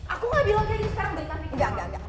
aku gak bilang kayak gini sekarang beritah vicky sama mama